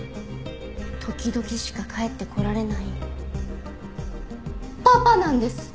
時々しか帰ってこられないパパなんです！